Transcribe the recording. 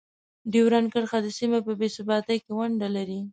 ډیورنډ کرښه د سیمې په بې ثباتۍ کې ونډه لري.